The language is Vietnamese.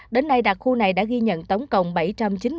đến nay đặc khu này đã ghi nhận tổng cộng bảy trăm linh triệu